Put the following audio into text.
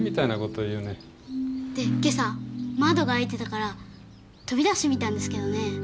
で今朝窓が開いてたから飛び出してみたんですけどね。